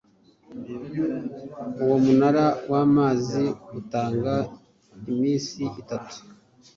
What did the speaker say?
Uwo munara wamazi utanga iminsi itatu